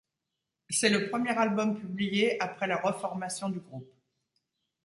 C'est le premier album publié après la reformation du groupe.